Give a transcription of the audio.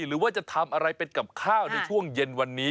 หรือว่าจะทำอะไรเป็นกับข้าวในช่วงเย็นวันนี้